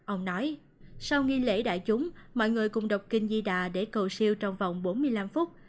ông nói sau nghi lễ đại chúng mọi người cùng đọc kinh di đà để cầu siêu trong vòng bốn mươi năm phút